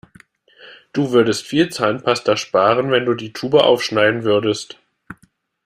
Du würdest viel Zahnpasta sparen, wenn du die Tube aufschneiden würdest.